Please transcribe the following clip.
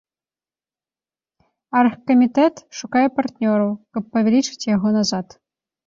Аргкамітэт шукае партнёраў, каб павялічыць яго назад.